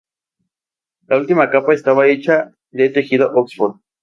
La última capa estaba hecha de tejido oxford.